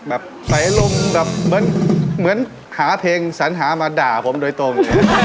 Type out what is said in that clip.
แบบใส่ลมแบบเหมือนหาเพลงสัญหามาด่าผมโดยตรง